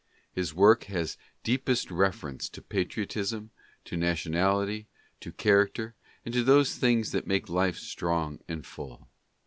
His work has deepest reference to patriotism, to nationality, to character, and to those things that make life strong and full.